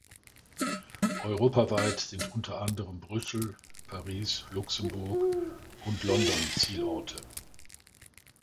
Europaweit sind unter anderem Brüssel, Paris, Luxemburg und London Zielorte.